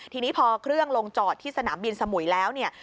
ทีนี้พอเครื่องลงจอดที่สนามบินสมุยแล้วเนี่ย